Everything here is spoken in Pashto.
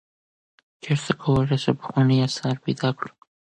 چیرته کولای سو پخوانی آثار پیدا کړو؟